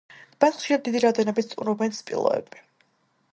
ტბას ხშირად დიდი რაოდენობით სტუმრობენ სპილოები.